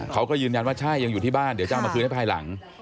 เขาก็ยืนยันว่าใช่ยังอยู่ที่บ้านเดี๋ยวจะเอามาคืนให้ภายหลัง